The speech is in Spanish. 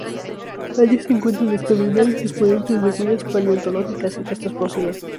Allí se encuentran extraordinarios exponentes de huellas paleontológicas y restos fósiles.